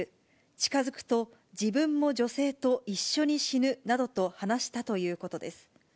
近づくと自分も女性と一緒に死ぬなどと話したということです。